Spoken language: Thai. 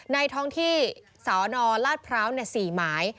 ท้องที่สนราชพร้าว๔หมาย